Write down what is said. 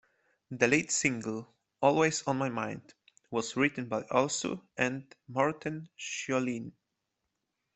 The lead single, "Always On My Mind", was written by Alsou and Morten Schjolin.